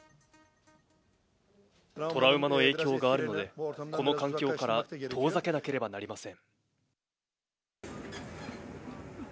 トラウマの影響があるので、この環境から遠ざけなければなりません。